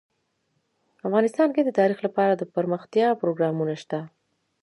افغانستان کې د تاریخ لپاره دپرمختیا پروګرامونه شته.